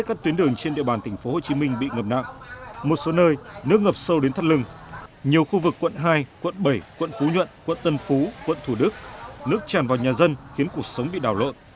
quận tân phú quận thủ đức nước chàn vào nhà dân khiến cuộc sống bị đào lộn